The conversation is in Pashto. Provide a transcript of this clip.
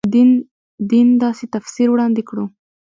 دین داسې تفسیر وړاندې کړو.